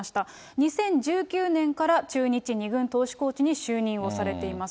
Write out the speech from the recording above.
２０１９年から中日２軍投手コーチに就任をされています。